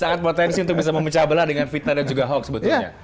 sangat potensi untuk bisa memecah belah dengan fitnah dan juga hoax sebetulnya